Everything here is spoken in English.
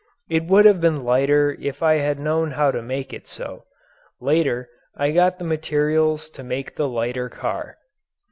It would have been lighter if I had known how to make it so later I got the materials to make the lighter car.